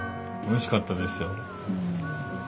おいしかったですよ。